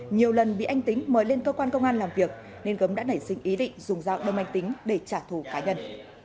nhiều lần bị anh tính mời lên cơ quan công an làm việc nên gấm đã nảy sinh ý định dùng dao đâm anh tính để trả thù cá nhân